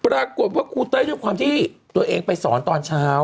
ครูเต้ยด้วยความที่ตัวเองไปสอนตอนเช้า